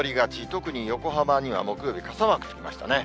特に横浜には木曜日、傘マークつきましたね。